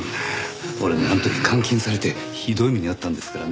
俺あの時監禁されてひどい目に遭ったんですからね